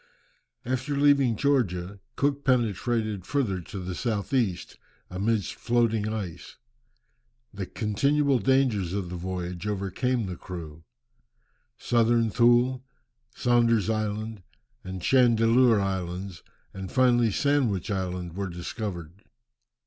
After leaving Georgia, Cook penetrated further to the south east, amidst floating ice. The continual dangers of the voyage overcame the crew. Southern Thule, Saunder's Island, and Chandeleur Islands, and finally Sandwich Land were discovered.